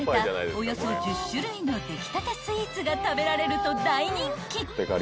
およそ１０種類の出来たてスイーツが食べられると大人気］